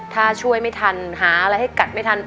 ถ้าช่วยไม่ทันหาอะไรให้กัดไม่ทัน